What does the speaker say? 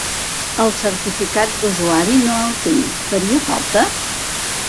El certificat d'usuari no el tinc, faria falta?